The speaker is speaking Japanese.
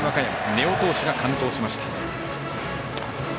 根尾投手が完投しました。